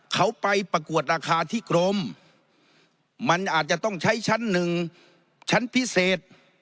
เขาไปประกวดราคาที่กรมมันอาจจะต้องใช้ชั้นหนึ่งชั้นพิเศษ